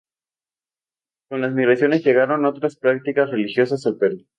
Con las migraciones llegaron otras prácticas religiosas al Perú.